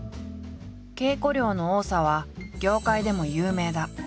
稽古量の多さは業界でも有名だ。